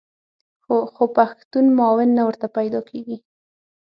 خو پښتون معاون نه ورته پیدا کېږي.